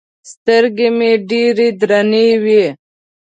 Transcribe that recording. سترګې مې ډېرې درنې وې.